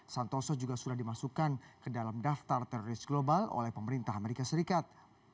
santoso juga sudah dimasukkan ke dalam daftar teroris global oleh pemerintah amerika serikat